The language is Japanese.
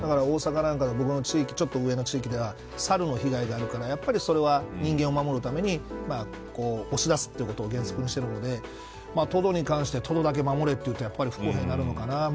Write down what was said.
だから、大阪なんかでちょっと上の地域ではサルの被害があるからやっぱりそれは人間を守るために押し出すことを原則にしてるのでトドに関してトドだけ守れというのは不公平になるのかな。